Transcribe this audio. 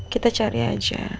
kita cari aja